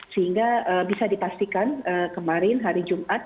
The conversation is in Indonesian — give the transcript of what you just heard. sehingga bisa dipastikan kemarin hari jumat